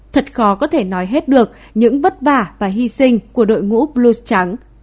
thật khó có thể nói hết được những vất vả và hy sinh của đội ngũ blue trắng